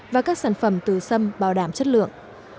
và các sản phẩm từ sâm bảo đảm chất lượng